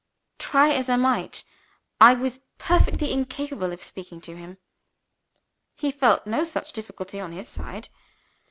Try as I might, I was perfectly incapable of speaking to him. He felt no such difficulty on his side.